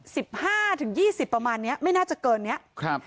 สิบห้าถึงยี่สิบประมาณเนี้ยไม่น่าจะเกินเนี้ยครับ